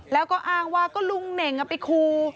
แล้วก็อ้างว่าก็ลุงเหน่งไปคู